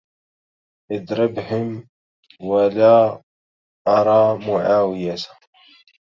أضربهم ولا أرى معاوية